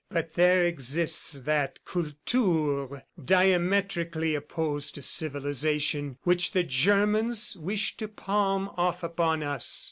"But there exists that Kultur, diametrically opposed to civilization, which the Germans wish to palm off upon us.